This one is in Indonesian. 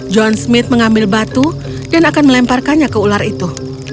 john smith mengambil batu dan akan melemparkannya ke ular itu